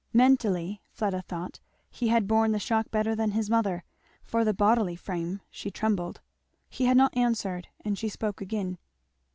Mentally, Fleda thought, he had borne the shock better than his mother; for the bodily frame she trembled. He had not answered and she spoke again.